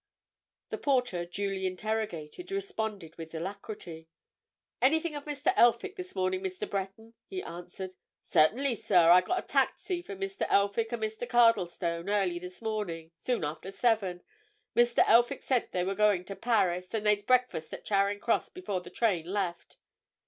The porter, duly interrogated, responded with alacrity. "Anything of Mr. Elphick this morning, Mr. Breton?" he answered. "Certainly, sir. I got a taxi for Mr. Elphick and Mr. Cardlestone early this morning—soon after seven. Mr. Elphick said they were going to Paris, and they'd breakfast at Charing Cross before the train left."